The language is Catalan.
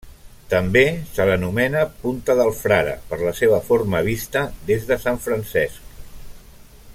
També se l'anomena Punta del Frare per la seva forma vista des de Sant Francesc.